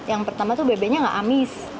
yang pertama tuh bebeknya gak amis